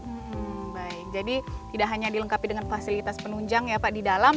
hmm baik jadi tidak hanya dilengkapi dengan fasilitas penunjang ya pak di dalam